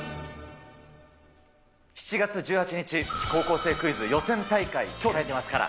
７月１８日、高校生クイズ予選大会、控えていますから。